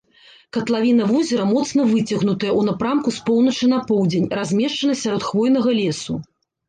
Катлавіна возера моцна выцягнутая ў напрамку з поўначы на поўдзень, размешчана сярод хвойнага лесу.